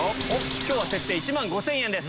今日は設定１万５０００円です。